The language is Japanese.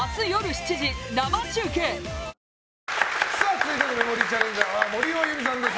続いてのメモリーチャレンジャーは森尾由美さんです。